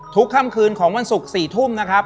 ค่ำคืนของวันศุกร์๔ทุ่มนะครับ